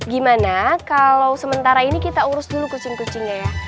gimana kalau sementara ini kita urus dulu kucing kucingnya ya